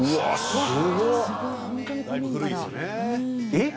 えっ？